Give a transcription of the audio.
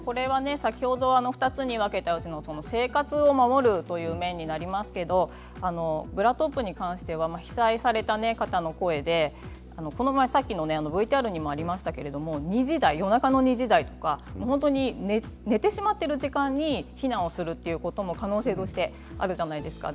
２つに分けたうちの生活を守るという面になりますけれどもブラトップに関しては被災された方の声でさっきのＶＴＲにもありましたけれども夜中の２時台とか本当に寝てしまっている時間帯に避難をするということも可能性としてあるじゃないですか。